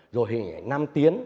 rồi hình ảnh nam tiến